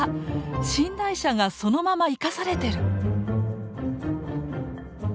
寝台車がそのまま生かされてる。